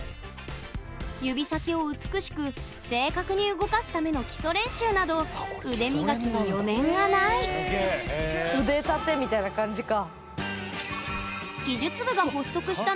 指先を美しく正確に動かすための基礎練習など腕磨きに余念がない歴史長いんだ。